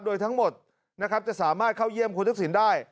โดยทั้งหมดนะครับจะสามารถเข้าเยี่ยมคุณทักษิณได้